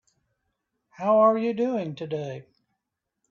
How are you doing today?